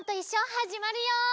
はじまるよ！